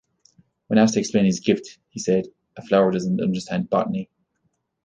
When asked to explain his gift he said, A flower doesn't understand botany.